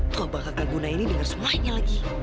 tuh apa kagak guna ini denger semuanya lagi